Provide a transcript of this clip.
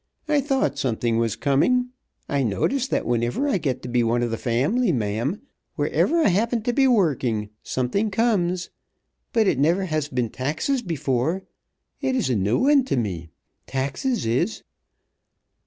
"I thought something was comin'. I notice that whenever I get to be one of th' family, ma'am, where ever I happen t' be workin', something comes. But it never has been taxes before. It is a new one to me, taxes is."